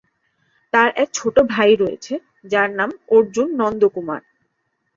তাঁর এক ছোট ভাই রয়েছে; যার নাম অর্জুন নন্দকুমার।